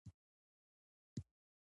کېدای شي دوی په داسې موقعیت کې ګیر شي.